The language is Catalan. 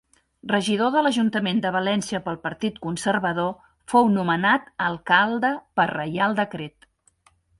Regidor de l'ajuntament de València pel Partit Conservador, fou nomenat alcalde per Reial Decret.